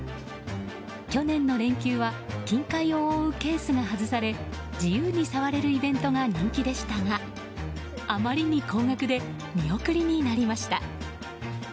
去年の連休は金塊を覆うケースが外され自由に触れるイベントが人気でしたがあまりに高額で見送りになりました。